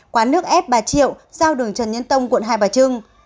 quán nước ép bà triệu giao đường trần nhân tông quận hai bà trưng